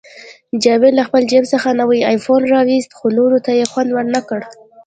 جاوید له خپل جیب څخه نوی آیفون راوویست، خو نورو ته یې خوند ورنکړ